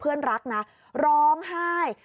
เพื่อนรักนะร้องไห้